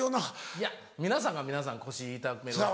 いや皆さんが皆さん腰痛めるわけじゃ。